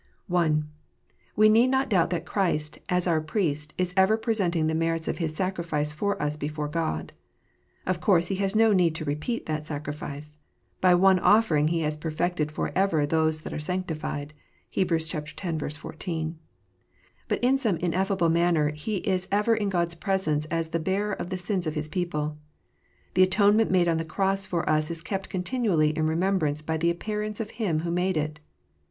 (1) We need not doubt that Christ, as our Priest, is ever presenting the merits of His sacrifice for us before God. Of course He has no need to repeat that sacrifice. " By one offer ing He has perfected for ever those that are sanctified." (Heb. x. 14.) But in some ineffable manner He is ever in God s presence as the Bearer of the sins of His people. The atonement made on the cross for us is kept continually in remembrance by the appearance of Him who made it.